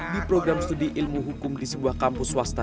di program studi ilmu hukum di sebuah kampus swasta